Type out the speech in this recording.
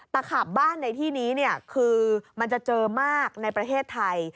ขาบบ้านในที่นี้คือมันจะเจอมากในประเทศไทย